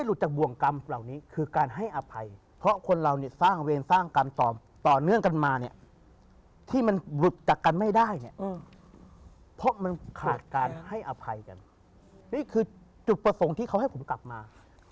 สวรรค์นรกมีจริงนะอ่า